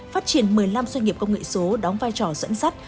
phát triển một mươi năm doanh nghiệp công nghệ số đóng vai trò dẫn dắt